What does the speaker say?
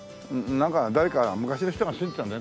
なんか誰か昔の人が住んでたんだね